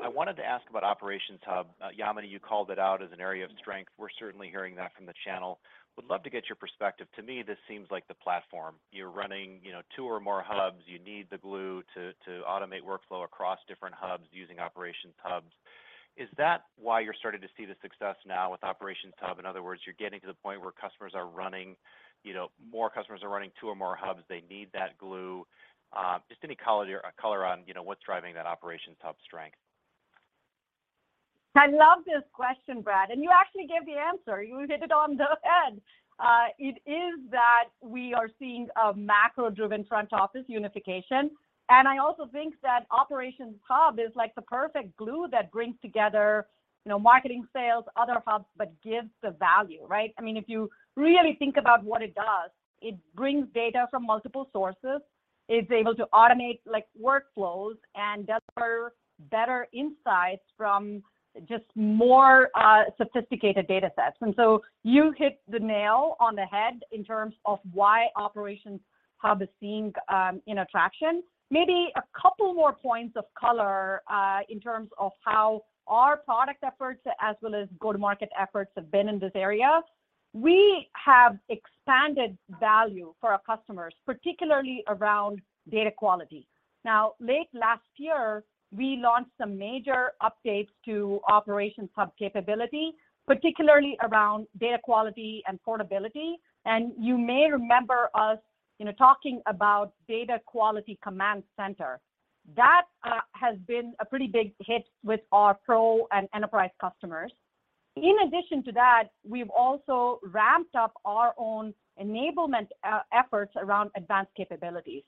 I wanted to ask about Operations Hub. Yamini, you called it out as an area of strength. We're certainly hearing that from the channel. Would love to get your perspective. To me, this seems like the platform. You're running, you know, two or more Hubs. You need the glue to automate workflow across different Hubs using Operations Hubs. Is that why you're starting to see the success now with Operations Hub? In other words, you're getting to the point where customers are running, you know, more customers are running two or more Hubs, they need that glue. Just any color on, you know, what's driving that Operations Hub strength. I love this question, Brad. You actually gave the answer. You hit it on the head. It is that we are seeing a macro-driven front office unification. I also think that Operations Hub is like the perfect glue that brings together, you know, marketing, sales, other hubs, but gives the value, right? I mean, if you really think about what it does, it brings data from multiple sources, it's able to automate, like, workflows, and deliver better insights from just more sophisticated data sets. You hit the nail on the head in terms of why Operations Hub is seeing, you know, traction. Maybe a couple more points of color in terms of how our product efforts as well as go-to-market efforts have been in this area. We have expanded value for our customers, particularly around data quality. Late last year, we launched some major updates to Operations Hub capability, particularly around data quality and portability. You may remember us, you know, talking about Data Quality Command Center. That has been a pretty big hit with our Pro and Enterprise customers. In addition to that, we've also ramped up our own enablement efforts around advanced capabilities.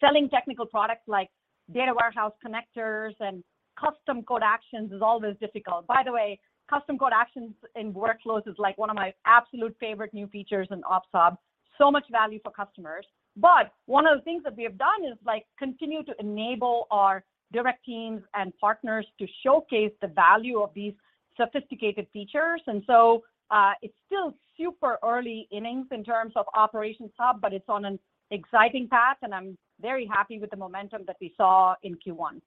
Selling technical products like data warehouse connectors and custom code actions is always difficult. By the way, custom code actions in workflows is, like, one of my absolute favorite new features in Ops Hub. So much value for customers. One of the things that we have done is, like, continue to enable our direct teams and partners to showcase the value of these sophisticated features. It's still super early innings in terms of Operations Hub, but it's on an exciting path, and I'm very happy with the momentum that we saw in Q1.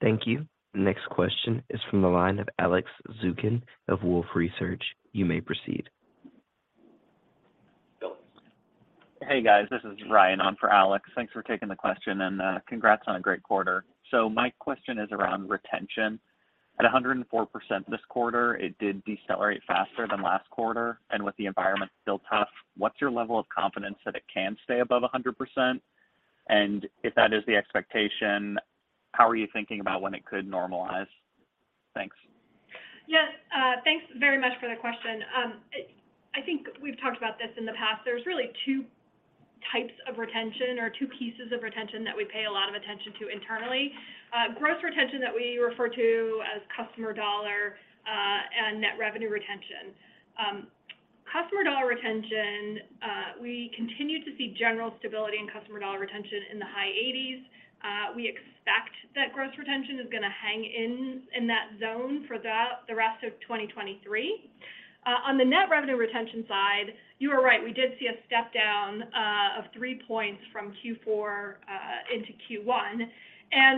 Thank you. The next question is from the line of Alex Zukin of Wolfe Research. You may proceed. Hey, guys. This is Ryan on for Alex. Thanks for taking the question, congrats on a great quarter. My question is around retention. At 104% this quarter, it did decelerate faster than last quarter. With the environment still tough, what's your level of confidence that it can stay above 100%? If that is the expectation, how are you thinking about when it could normalize? Thanks. Yes. Thanks very much for the question. I think we've talked about this in the past. There's really two types of retention or two pieces of retention that we pay a lot of attention to internally. Gross retention that we refer to as customer dollar, and net revenue retention. Customer dollar retention, we continue to see general stability in customer dollar retention in the high 80s. We expect that gross retention is gonna hang in that zone for the rest of 2023. On the net revenue retention side, you are right, we did see a step-down of 3 points from Q4 into Q1.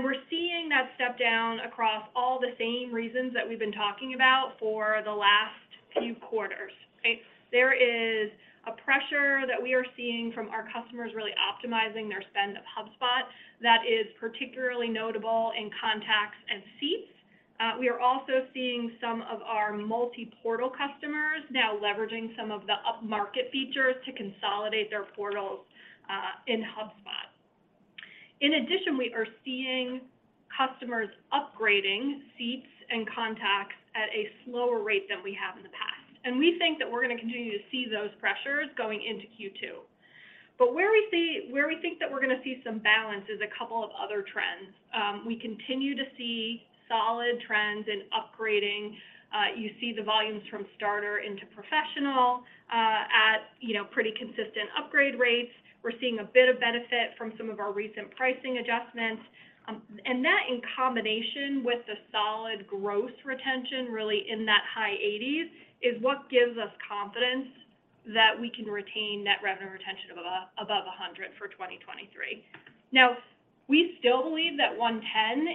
We're seeing that step down across all the same reasons that we've been talking about for the last few quarters. Okay? There is a pressure that we are seeing from our customers really optimizing their spend of HubSpot that is particularly notable in contacts and seats. We are also seeing some of our multi-portal customers now leveraging some of the up-market features to consolidate their portals in HubSpot. We are seeing customers upgrading seats and contacts at a slower rate than we have in the past. We think that we're gonna continue to see those pressures going into Q2. Where we think that we're gonna see some balance is a couple of other trends. We continue to see solid trends in upgrading. You see the volumes from starter into professional, you know, pretty consistent upgrade rates. We're seeing a bit of benefit from some of our recent pricing adjustments. That in combination with the solid gross retention really in that high eighties is what gives us confidence that we can retain net revenue retention above 100 for 2023. Now, we still believe that 110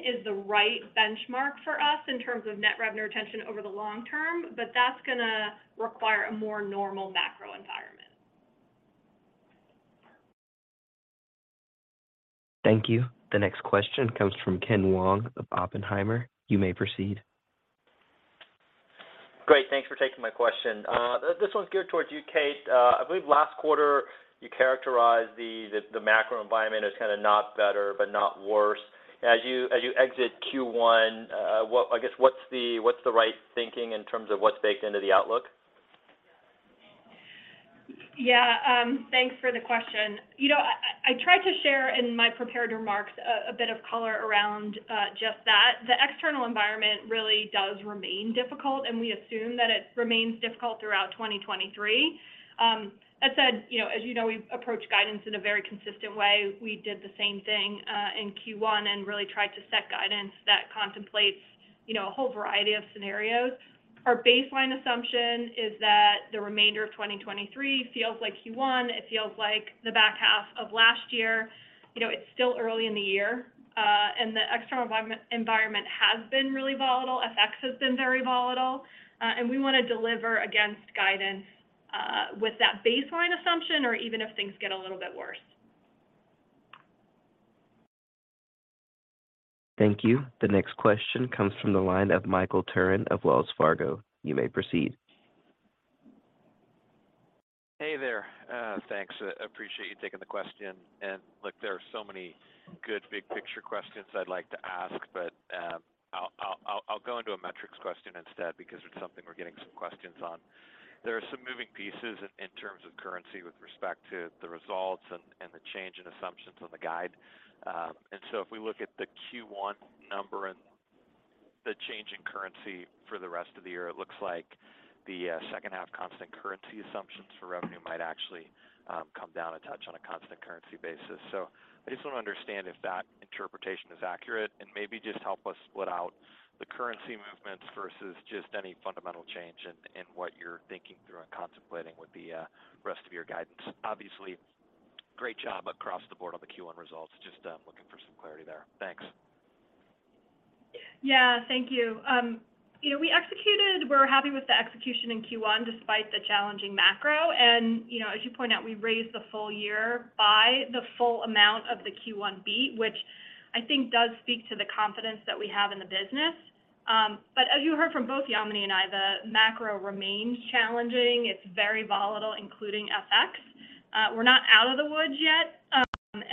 is the right benchmark for us in terms of net revenue retention over the long term, but that's gonna require a more normal macro environment. Thank you. The next question comes from Ken Wong of Oppenheimer. You may proceed. Great. Thanks for taking my question. This one's geared towards you, Kate. I believe last quarter you characterized the macro environment as kinda not better but not worse. As you exit Q1, I guess, what's the right thinking in terms of what's baked into the outlook? Yeah, thanks for the question. You know, I tried to share in my prepared remarks a bit of color around just that. The external environment really does remain difficult, and we assume that it remains difficult throughout 2023. That said, you know, as you know, we approach guidance in a very consistent way. We did the same thing in Q1 and really tried to set guidance that contemplates, you know, a whole variety of scenarios. Our baseline assumption is that the remainder of 2023 feels like Q1. It feels like the back half of last year. You know, it's still early in the year, and the external environment has been really volatile. FX has been very volatile, and we wanna deliver against guidance with that baseline assumption or even if things get a little bit worse. Thank you. The next question comes from the line of Michael Turrin of Wells Fargo. You may proceed. Hey there. Thanks. Appreciate you taking the question. Look, there are so many good big picture questions I'd like to ask, but I'll go into a metrics question instead because it's something we're getting some questions on. There are some moving pieces in terms of currency with respect to the results and the change in assumptions on the guide. If we look at the Q1 number and the change in currency for the rest of the year, it looks like the second half constant currency assumptions for revenue might actually come down a touch on a constant currency basis. I just wanna understand if that interpretation is accurate, and maybe just help us split out the currency movements versus just any fundamental change in what you're thinking through and contemplating with the rest of your guidance. Obviously, great job across the board on the Q1 results. Just looking for some clarity there. Thanks. Yeah. Thank you. You know, we're happy with the execution in Q1 despite the challenging macro. You know, as you point out, we raised the full year by the full amount of the Q1 beat, which I think does speak to the confidence that we have in the business. As you heard from both Yamini and I, the macro remains challenging. It's very volatile, including FX. We're not out of the woods yet,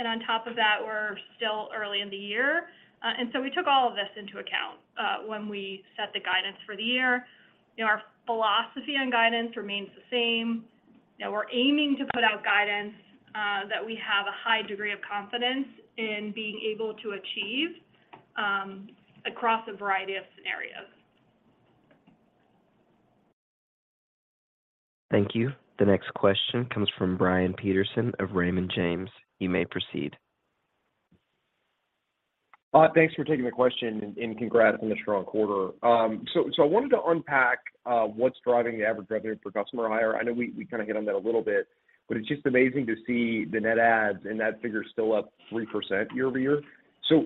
on top of that, we're still early in the year. We took all of this into account when we set the guidance for the year. You know, our philosophy on guidance remains the same. You know, we're aiming to put out guidance that we have a high degree of confidence in being able to achieve across a variety of scenarios. Thank you. The next question comes from Brian Peterson of Raymond James. You may proceed. Thanks for taking the question, and congrats on the strong quarter. I wanted to unpack what's driving the average revenue per customer higher. I know we kinda hit on that a little bit, but it's just amazing to see the net adds, and that figure's still up 3% year-over-year.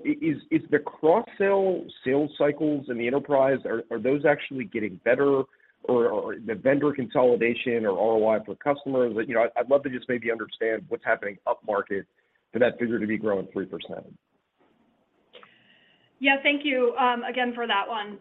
Is the cross-sell sales cycles in the enterprise, are those actually getting better? The vendor consolidation or ROI for customers? You know, I'd love to just maybe understand what's happening up market for that figure to be growing 3%. Yeah. Thank you, again, for that one.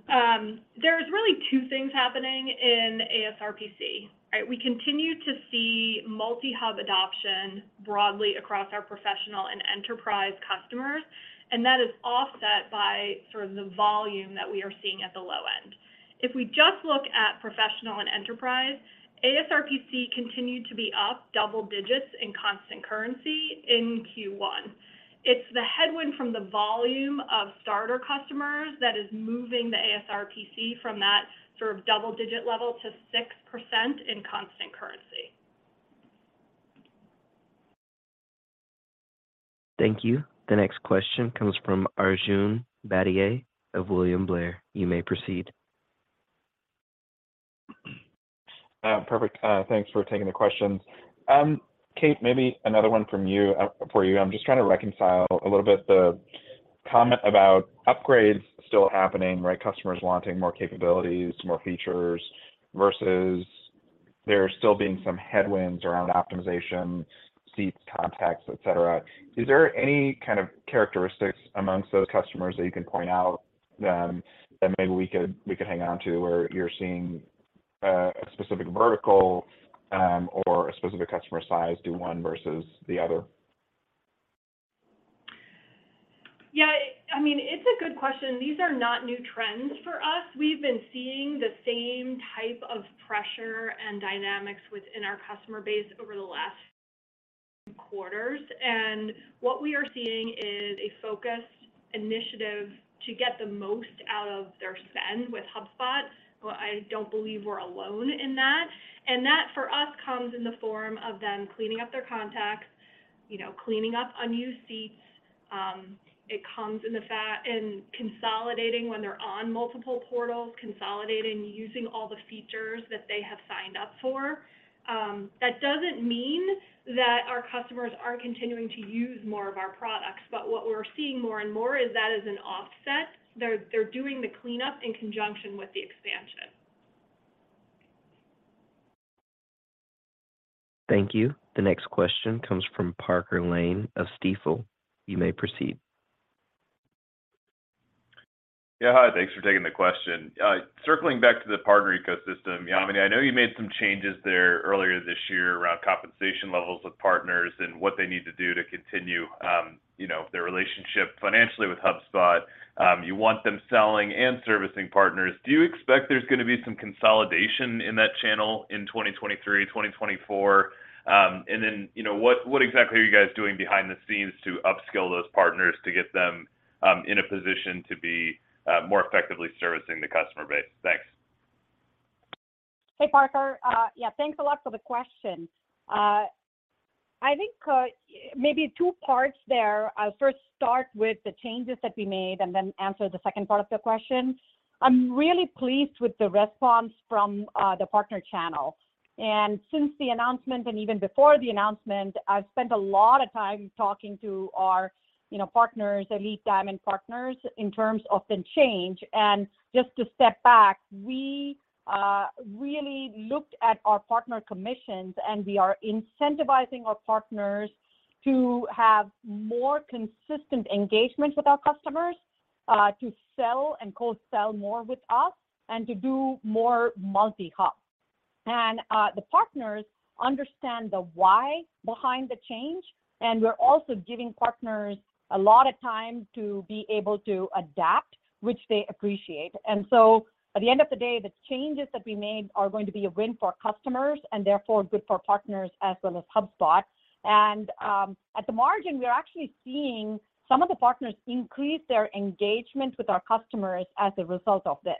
There's really two things happening in ASRPC. All right? We continue to see multi-hub adoption broadly across our professional and enterprise customers, and that is offset by sort of the volume that we are seeing at the low end. If we just look at professional and enterprise, ASRPC continued to be up double digits in constant currency in Q1. It's the headwind from the volume of starter customers that is moving the ASRPC from that sort of double digit level to 6% in constant currency. Thank you. The next question comes from Arjun Bhatia of William Blair. You may proceed. Perfect. Thanks for taking the questions. Kate, maybe another one from you for you. I'm just trying to reconcile a little bit the comment about upgrades still happening, right, customers wanting more capabilities, more features, versus there still being some headwinds around optimization, seats, contacts, et cetera. Is there any kind of characteristics amongst those customers that you can point out that maybe we could hang on to, where you're seeing a specific vertical or a specific customer size do one versus the other? Yeah. I mean, it's a good question. These are not new trends for us. We've been seeing the same type of pressure and dynamics within our customer base over the last quarters. What we are seeing is a focused initiative to get the most out of their spend with HubSpot, but I don't believe we're alone in that. That, for us, comes in the form of them cleaning up their contacts, you know, cleaning up unused seats. It comes in the fact in consolidating when they're on multiple portals, consolidating using all the features that they have signed up for. That doesn't mean that our customers aren't continuing to use more of our products, but what we're seeing more and more is that as an offset, they're doing the cleanup in conjunction with the expansion. Thank you. The next question comes from Parker Lane of Stifel. You may proceed. Yeah. Thanks for taking the question. Circling back to the partner ecosystem, Yamini, I know you made some changes there earlier this year around compensation levels with partners and what they need to do to continue, you know, their relationship financially with HubSpot. You want them selling and servicing partners. Do you expect there's gonna be some consolidation in that channel in 2023, 2024? You know, what exactly are you guys doing behind the scenes to upskill those partners to get them in a position to be more effectively servicing the customer base? Thanks. Hey, Parker. Yeah, thanks a lot for the question. I think, maybe two parts there. I'll first start with the changes that we made and then answer the second part of the question. I'm really pleased with the response from the partner channel. Since the announcement, and even before the announcement, I've spent a lot of time talking to our, you know, partners, Elite Diamond partners, in terms of the change. Just to step back, we really looked at our partner commissions, and we are incentivizing our partners to have more consistent engagement with our customers, to sell and cross-sell more with us, and to do more multi-hub. The partners understand the why behind the change, and we're also giving partners a lot of time to be able to adapt, which they appreciate. At the end of the day, the changes that we made are going to be a win for customers and therefore good for partners as well as HubSpot. At the margin, we're actually seeing some of the partners increase their engagement with our customers as a result of this.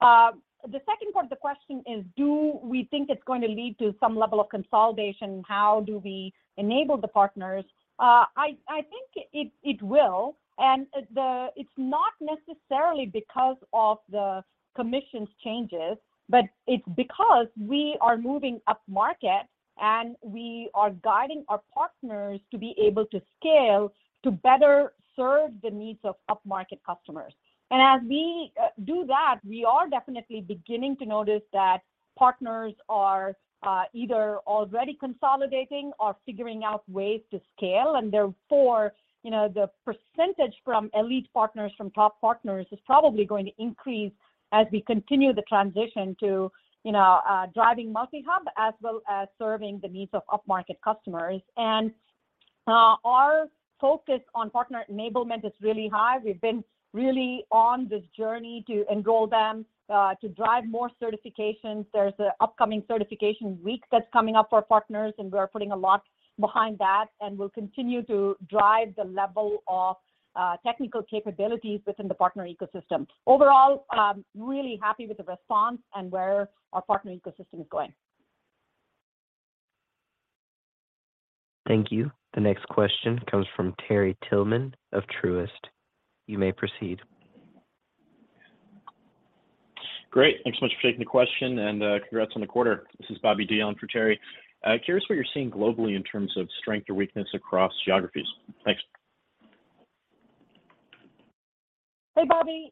The second part of the question is, do we think it's going to lead to some level of consolidation? How do we enable the partners? I think it will. It's not necessarily because of the commissions changes, but it's because we are moving up market, and we are guiding our partners to be able to scale to better serve the needs of up-market customers. As we do that, we are definitely beginning to notice that partners are either already consolidating or figuring out ways to scale, and therefore, you know, the percentage from Elite partners, from top partners is probably going to increase as we continue the transition to, you know, driving multi-hub as well as serving the needs of up-market customers. Our focus on partner enablement is really high. We've been really on this journey to enroll them to drive more certifications. There's an upcoming certification week that's coming up for partners, and we're putting a lot behind that, and we'll continue to drive the level of technical capabilities within the partner ecosystem. Overall, really happy with the response and where our partner ecosystem is going. Thank you. The next question comes from Terry Tillman of Truist. You may proceed. Great. Thanks so much for taking the question, congrats on the quarter. This is Bobby Dee for Terry. Curious what you're seeing globally in terms of strength or weakness across geographies. Thanks. Hey, Bobby.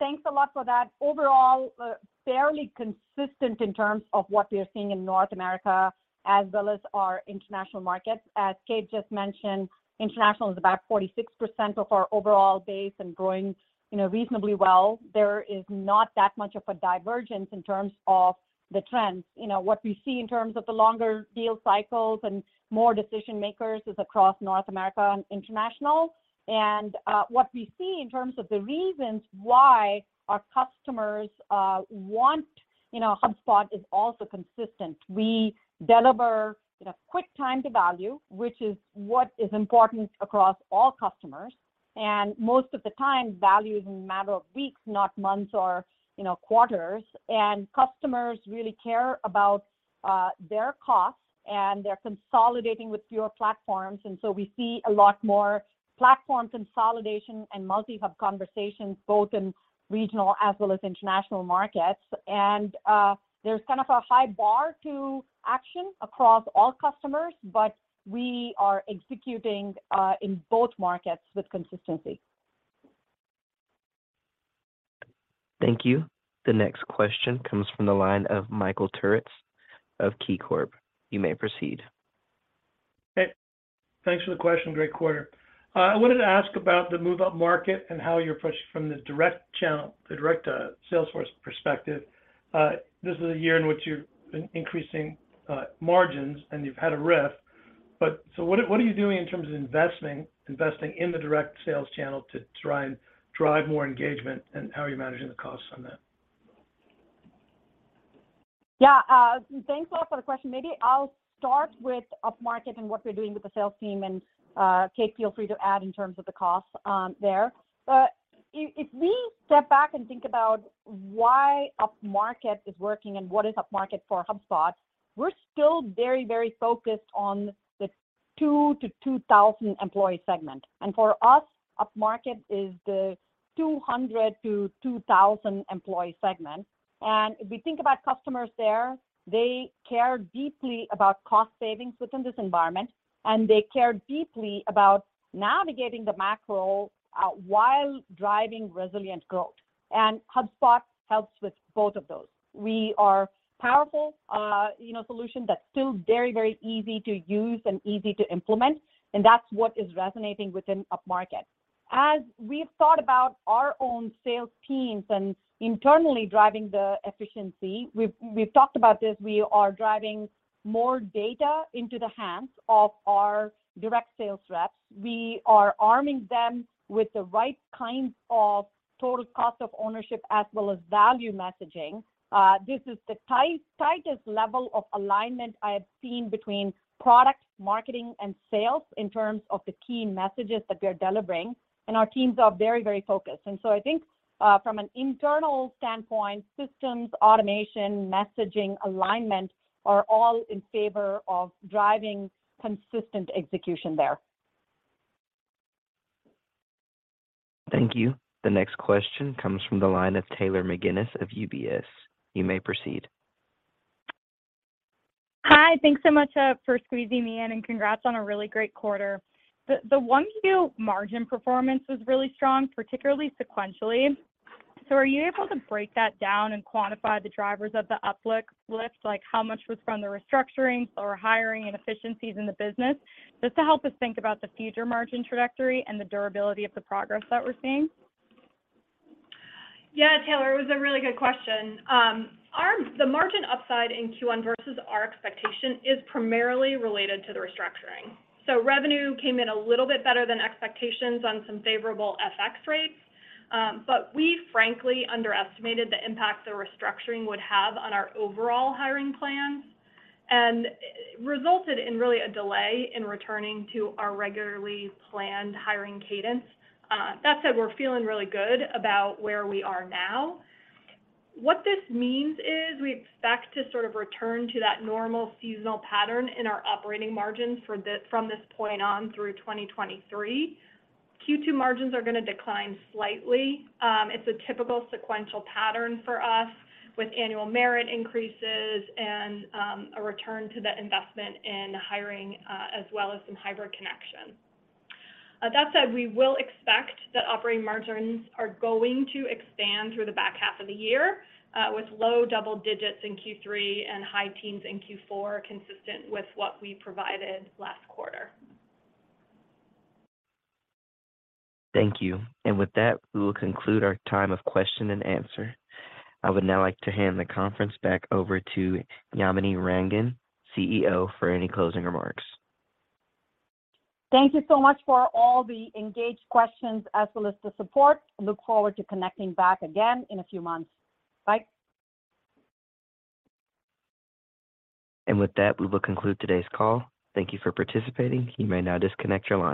Thanks a lot for that. Overall, fairly consistent in terms of what we're seeing in North America as well as our international markets. As Kate just mentioned, international is about 46% of our overall base and growing, you know, reasonably well. There is not that much of a divergence in terms of the trends. You know, what we see in terms of the longer deal cycles and more decision-makers is across North America and international. What we see in terms of the reasons why our customers want, you know, HubSpot is also consistent. We deliver, you know, quick time to value, which is what is important across all customers, and most of the time, value is in a matter of weeks, not months or, you know, quarters. Customers really care about their costs, and they're consolidating with fewer platforms. We see a lot more platform consolidation and multi-hub conversations both in regional as well as international markets. There's kind of a high bar to action across all customers, but we are executing, in both markets with consistency. Thank you. The next question comes from the line of Michael Turits of KeyCorp. You may proceed. Hey. Thanks for the question. Great quarter. I wanted to ask about the move-up market and how you approach from the direct channel, the direct sales force perspective. This is a year in which you've been increasing margins, and you've had a RIF. What are you doing in terms of investing in the direct sales channel to try and drive more engagement, and how are you managing the costs on that? Thanks a lot for the question. Maybe I'll start with up-market and what we're doing with the sales team, and Kate, feel free to add in terms of the costs there. If we step back and think about why up-market is working and what is up-market for HubSpot, we're still very, very focused on the two to 2,000 employee segment. For us, up-market is the 200 to 2,000 employee segment. If we think about customers there, they care deeply about cost savings within this environment, and they care deeply about navigating the macro while driving resilient growth. HubSpot helps with both of those. We are powerful, you know, solution that's still very, very easy to use and easy to implement, and that's what is resonating within up-market. As we've thought about our own sales teams and internally driving the efficiency, we've talked about this, we are driving more data into the hands of our direct sales reps. We are arming them with the right kinds of total cost of ownership as well as value messaging. This is the tightest level of alignment I have seen between product, marketing, and sales in terms of the key messages that we are delivering. Our teams are very focused. I think, from an internal standpoint, systems, automation, messaging, alignment are all in favor of driving consistent execution there. Thank you. The next question comes from the line of Taylor McGinnis of UBS. You may proceed. Hi. Thanks so much for squeezing me in, and congrats on a really great quarter. The 1Q margin performance was really strong, particularly sequentially. Are you able to break that down and quantify the drivers of the uplift, like how much was from the restructuring or hiring and efficiencies in the business? Just to help us think about the future margin trajectory and the durability of the progress that we're seeing. Taylor, it was a really good question. The margin upside in Q1 versus our expectation is primarily related to the restructuring. Revenue came in a little bit better than expectations on some favorable FX rates. We frankly underestimated the impact the restructuring would have on our overall hiring plans, and it resulted in really a delay in returning to our regularly planned hiring cadence. That said, we're feeling really good about where we are now. What this means is we expect to sort of return to that normal seasonal pattern in our operating margins from this point on through 2023. Q2 margins are gonna decline slightly. It's a typical sequential pattern for us with annual merit increases and a return to the investment in hiring, as well as some hybrid connection. That said, we will expect that operating margins are going to expand through the back half of the year, with low double digits in Q3 and high teens in Q4, consistent with what we provided last quarter. Thank you. With that, we will conclude our time of question and answer. I would now like to hand the conference back over to Yamini Rangan, CEO, for any closing remarks. Thank you so much for all the engaged questions as well as the support. Look forward to connecting back again in a few months. Bye. With that, we will conclude today's call. Thank you for participating. You may now disconnect your line.